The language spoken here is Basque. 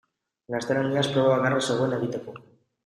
Gaztelaniaz proba bakarra zegoen egiteko.